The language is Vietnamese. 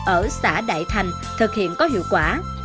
ở xã đại thành thực hiện có hiệu quả